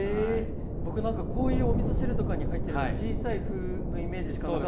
僕何かこういうおみそ汁とかに入ってる小さい麩のイメージしかなかったんで。